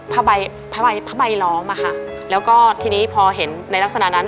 ผ้าใบหลองมาค่ะแล้วก็ทีนี้พอเห็นในลักษณะนั้น